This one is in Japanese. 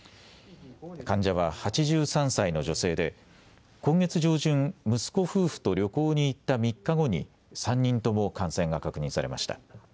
患者は８３歳の女性で今月上旬、息子夫婦と旅行に行った３日後に３人とも感染が確認されました。